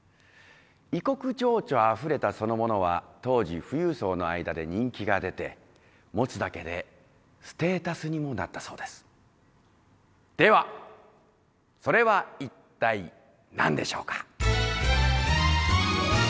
異国情緒あふれたそのものは当時富裕層の間で人気が出て持つだけでステータスにもなったそうですではそれは一体何でしょうか？